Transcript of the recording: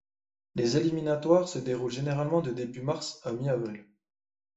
Les éliminatoires se déroulent généralement de début mars à mi-avril.